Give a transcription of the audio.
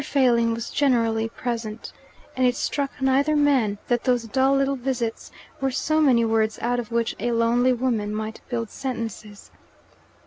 Failing was generally present, and it struck neither man that those dull little visits were so many words out of which a lonely woman might build sentences.